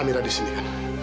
amirah di sini kan